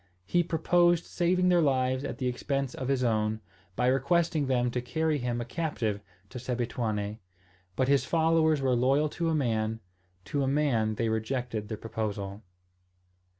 He proposed saving their lives at the expense of his own, by requesting them to carry him a captive to Sebituane! But his followers were loyal to a man: to a man they rejected the proposal.